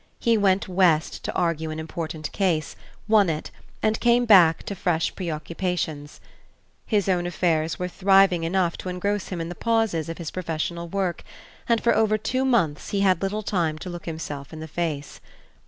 He went West to argue an important case, won it, and came back to fresh preoccupations. His own affairs were thriving enough to engross him in the pauses of his professional work, and for over two months he had little time to look himself in the face.